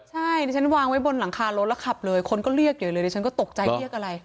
ใช่ดิฉันวางไว้บนหลังคารถแล้วขับเลยคนก็เรียกใหญ่เลยดิฉันก็ตกใจเรียกอะไร